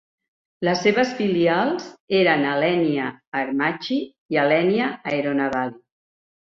Les seves filials eren Alenia Aermacchi i Alenia Aeronavali.